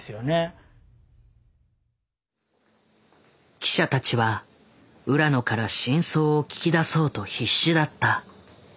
記者たちは浦野から真相を聞き出そうと必死だった。